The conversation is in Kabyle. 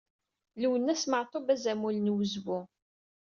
Lwennas Matoub azamul n wezbu.